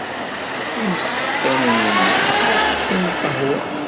Imsestanen-nni la tessen lqahwa.